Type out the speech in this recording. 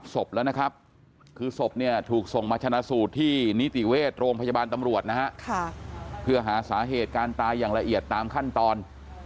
ศพแล้วนะครับคือศพเนี่ยถูกส่งมาชนะสูตรที่นิติเวชโรงพยาบาลตำรวจนะฮะเพื่อหาสาเหตุการตายอย่างละเอียดตามขั้นตอน